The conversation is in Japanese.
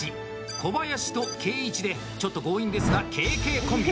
小林と景一でちょっと強引ですが「ＫＫコンビ」。